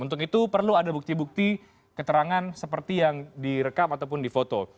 untuk itu perlu ada bukti bukti keterangan seperti yang direkam ataupun difoto